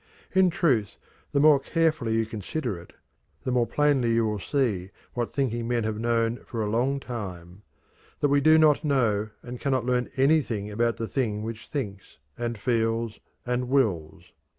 In truth, the more carefully you consider it, the more plainly you will see what thinking men have known for a long time that we do not know and cannot learn anything about the thing which thinks, and feels, and wills.